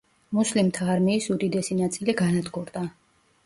მუსლიმთა არმიის უდიდესი ნაწილი განადგურდა.